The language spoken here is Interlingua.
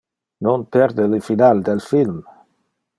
Non perde le final del film.